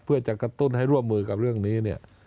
เพื่อจะกระตุ้นให้ร่วมมือกับเรื่องนี้เนี่ย